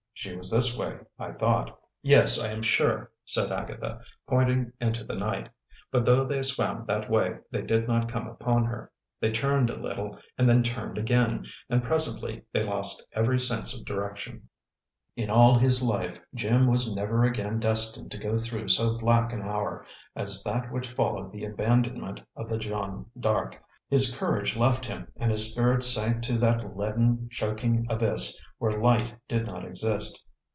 "She was this way, I thought. Yes, I am sure," said Agatha, pointing into the night. But though they swam that way, they did not come upon her. They turned a little, and then turned again, and presently they lost every sense of direction. In all his life Jim was never again destined to go through so black an hour as that which followed the abandonment of the Jeanne D'Arc. His courage left him, and his spirit sank to that leaden, choking abyss where light did not exist.